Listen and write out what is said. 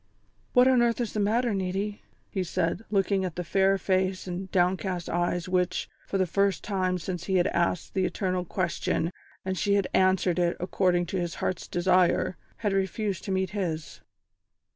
"What on earth is the matter, Niti?" he said, looking at the fair face and downcast eyes which, for the first time since he had asked the eternal question and she had answered it according to his heart's desire, had refused to meet his.